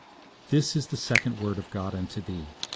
'This is the second word of God unto thee.